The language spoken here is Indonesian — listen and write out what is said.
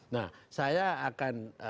nah saya akan